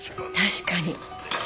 確かに。